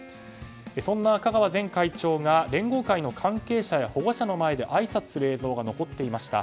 そんな香川前会長が連合会の関係者や保護者の前であいさつする映像が残っていました。